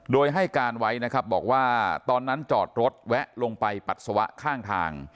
โดยให้การไว้นะครับบอกว่าตอนนั้นจอดรถแวะลงไปปัสสาวะข้างทาง